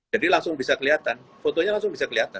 jadi langsung bisa kelihatan fotonya langsung bisa kelihatan